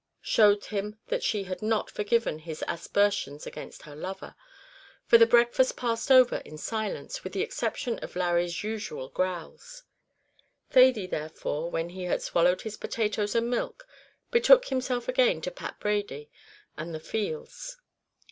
showed him that she had not forgiven his aspersions against her lover, and the breakfast passed over in silence, with the exception of Larry's usual growls. Thady, therefore, when he had swallowed his potatoes and milk, betook himself again to Pat Brady and the fields.